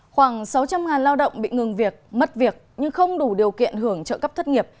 khoảng sáu trăm linh lao động bị ngừng việc mất việc nhưng không đủ điều kiện hưởng trợ cấp thất nghiệp